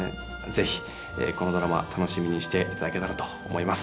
是非このドラマ楽しみにしていただけたらと思います。